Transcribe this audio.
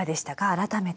改めて。